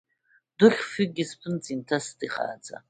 Духь фҩыкгьы сԥында инҭасит ихааӡа.